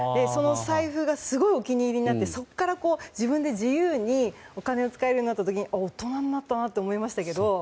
その財布がすごいお気に入りになってそこから自分で自由にお金を使えるようになった時にああ、大人になったなって思いましたけど。